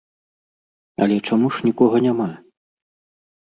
Але чаму ж нікога няма?